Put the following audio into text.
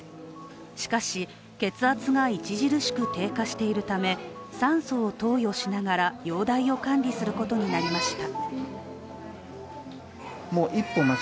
しかし血圧が著しく低下しているため、酸素を投与しながら容体を管理することになりました。